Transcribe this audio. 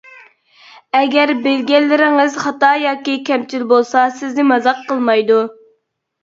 ئەگەر بىلگەنلىرىڭىز خاتا ياكى كەمچىل بولسا سىزنى مازاق قىلمايدۇ.